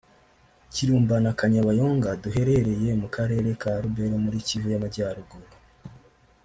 Kirumba na Kanyabayonga duherereye mu karere ka Lubero muri Kivu y’Amajyaruguru